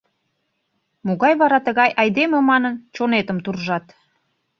Могай вара тыгай айдеме манын, чонетым туржат.